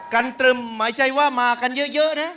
กันตรึมหมายใจว่ามากันเยอะนะ